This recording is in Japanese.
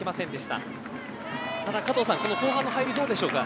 ただ加藤さん後半の入りどうでしょうか。